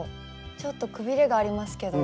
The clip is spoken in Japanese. ちょっとくびれがありますけど。